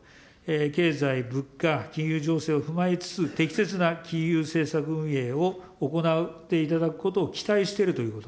経済、物価、金融情勢を踏まえつつ、適切な金融政策運営を行っていただくことを期待しているということ。